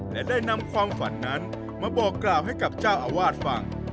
และได้นำความฝันนั้นมาบอกกล่าวให้กับเจ้าอาวาสฟัง